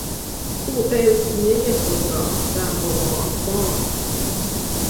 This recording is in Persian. او ارثیهی خود را در قمار باخت.